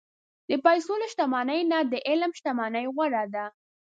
د پیسو له شتمنۍ نه، د علم شتمني غوره ده.